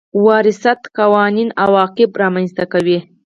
وراثت قوانين عواقب رامنځ ته کوي.